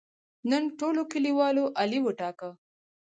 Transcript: نن ټولو کلیوالو علي وټاکه.